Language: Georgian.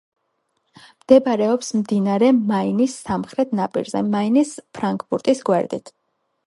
მდებარეობს მდინარე მაინის სამხრეთ ნაპირზე, მაინის ფრანკფურტის გვერდით.